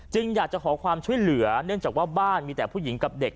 อยากจะขอความช่วยเหลือเนื่องจากว่าบ้านมีแต่ผู้หญิงกับเด็ก